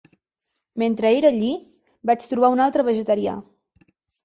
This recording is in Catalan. Mentre era allí, vaig trobar un altre vegetarià.